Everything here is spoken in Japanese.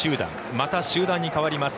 また集団に代わります。